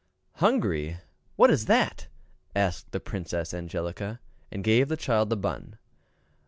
"Hungry! what is that?" asked Princess Angelica, and gave the child the bun.